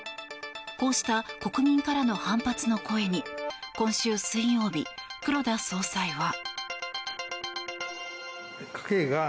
こうした国民からの反発の声に今週水曜日、黒田総裁は。